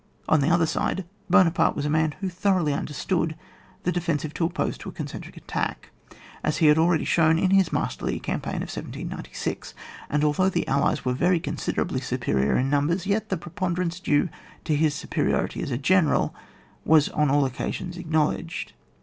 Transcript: On the other side, Buonaparte was a man who thoroughly understood the de fensive to oppose to a concentric attaclr, as he had already shown in his masterly campaign of 1796 ; and although the Allies were very considerably superior in numbers, yet the preponderance due to his superiority as a general was on all occasions acknowledged.